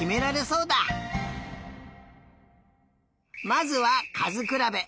まずはかずくらべ。